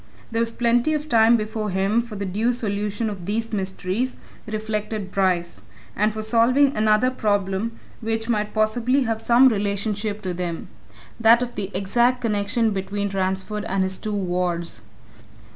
There was plenty of time before him for the due solution of these mysteries, reflected Bryce and for solving another problem which might possibly have some relationship to them that of the exact connection between Ransford and his two wards.